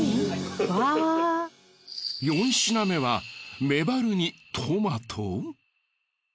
４品目はメバルにトマト！？